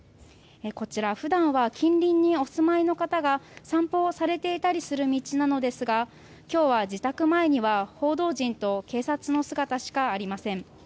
こちら、普段は近隣にお住まいの方が散歩をされていたりする道なのですが今日は自宅前には報道陣と警察の姿しかありません。